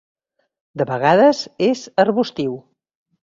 De vegades és arbustiu.